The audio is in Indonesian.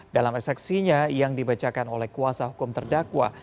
dalam eksepsinya yang dibacakan oleh kuasa hukum terdakwa